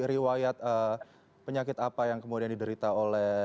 riwayat penyakit apa yang kemudian diderita oleh